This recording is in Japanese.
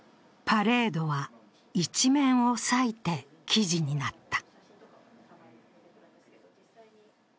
パレードは１面を割いて記事になった。